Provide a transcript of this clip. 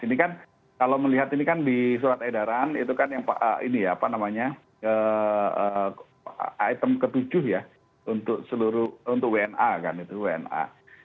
ini kan kalau melihat ini kan di surat edaran itu kan yang ini ya apa namanya item ke tujuh ya untuk seluruh untuk wna kan itu wna